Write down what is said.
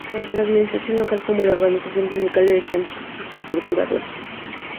Tanto la Administración Local como la Organización Sindical elegían sus procuradores.